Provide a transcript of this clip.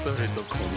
この